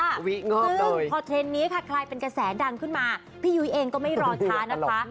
ซึ่งพอเทรนด์นี้ค่ะกลายเป็นกระแสดังขึ้นมาพี่ยุ้ยเองก็ไม่รอช้านะคะ